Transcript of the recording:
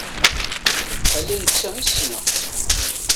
Ala netta i ssneɣ.